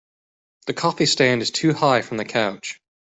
The coffee stand is too high for the couch.